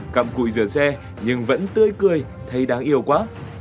cặm cụi rửa xe nhưng vẫn tươi cười thấy đáng yêu quá